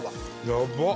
やばっ！